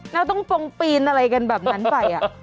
แล้วต้องปงปีนอะไรกันแบบนั้นไป